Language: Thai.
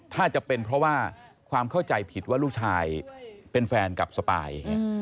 ถ้าจะเป็นเพราะว่าความเข้าใจผิดว่าลูกชายเป็นแฟนกับสปาย